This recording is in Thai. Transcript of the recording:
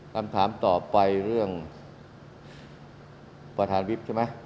คำถามต่อไปเรื่องประธานวิบใช่ไหม